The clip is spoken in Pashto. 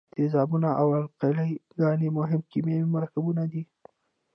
تیزابونه او القلي ګانې مهم کیمیاوي مرکبونه دي.